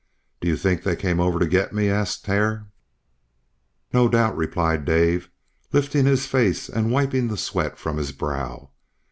"Do you think they came over to get me?" asked Hare. "No doubt," replied Dave, lifting his face and wiping the sweat from his brow.